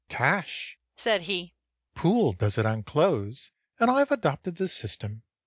"Cash," said he. "Poole does it on clothes, and I've adopted the system.